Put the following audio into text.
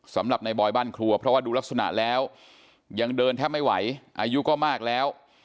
สำหรับในบอยบ้านครัวเพราะว่าดูลักษณะแล้วยังเดินแทบไม่ไหวอายุก็มากแล้ว